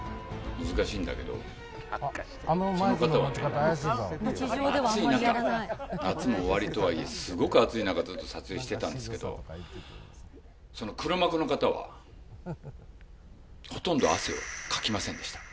難しいんだけど、その方はね、暑い中、夏も終わりとはいえ、すごく暑い中ずっと撮影してたんですけど、その黒幕の方は、ほとんど汗をかきませんでした。